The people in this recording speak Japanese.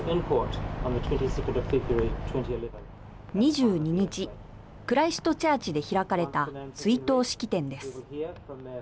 ２２日クライストチャーチで開かれた追悼式典です。